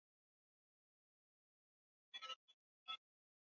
Ndui ya mbuzi husambazwa kwa njia ya wanyama kuchangamana